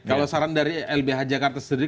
kalau saran dari lbh jakarta sendiri